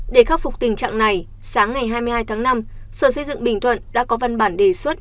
để khắc phục tình trạng này sáng ngày hai mươi hai tháng năm sở xây dựng bình thuận đã có văn bản đề xuất